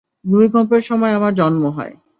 ভুমিকম্পের সময় আমার জন্ম হয়।